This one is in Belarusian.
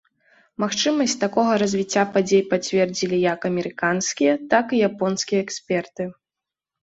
Магчымасць такога развіцця падзей пацвердзілі як амерыканскія, так і японскія эксперты.